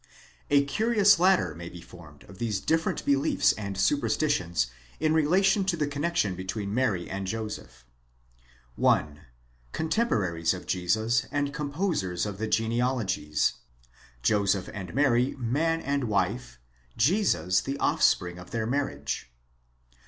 A curious ladder may be formed of these different beliefs and superstitions in relation to the connexion between Mary and Joseph. 1. Contemporaries of Jesus and composers of the genealogies: Joseph and Mary man and wife—Jesus the offspring of their marriage.